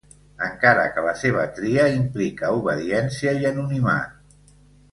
Encara que la seva tria implica obediència i anonimat.